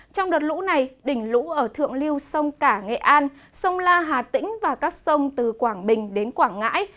trong đợt lũ này đỉnh lũ ở thượng lưu sông cả nghệ an sông la hà tĩnh và các sông từ quảng bình đến quảng ngãi